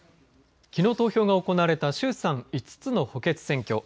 きのう投票が行われた衆参５つ補欠選挙。